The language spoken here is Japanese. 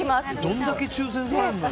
どんだけ抽選されんのよ。